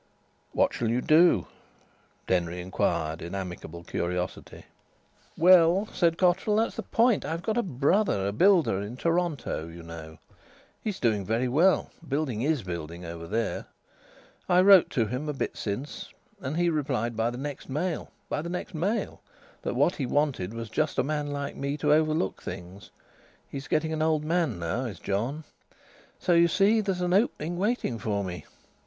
"What shall you do?" Denry inquired in amicable curiosity. "Well," said Cotterill, "that's the point. I've got a brother a builder in Toronto, you know. He's doing very well; building is building over there. I wrote to him a bit since, and he replied by the next mail by the next mail that what he wanted was just a man like me to overlook things. He's getting an old man now, is John. So, you see, there's an opening waiting for me."